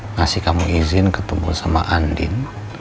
ngasih kamu izin ketemu sama andin